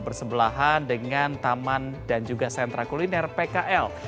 bersebelahan dengan taman dan juga sentra kuliner pkl